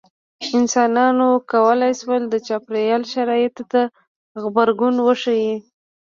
انسانانو کولی شول د چاپېریال شرایطو ته غبرګون وښيي.